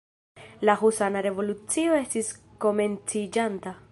La husana revolucio estis komenciĝanta...